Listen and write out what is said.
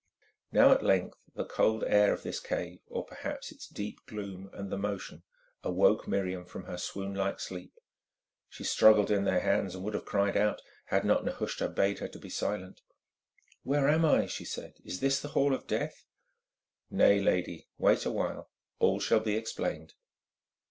Now, at length, the cold air of this cave, or perhaps its deep gloom and the motion, awoke Miriam from her swoon like sleep. She struggled in their hands, and would have cried out, had not Nehushta bade her to be silent. "Where am I?" she said. "Is this the hall of death?" "Nay, lady. Wait a while, all shall be explained."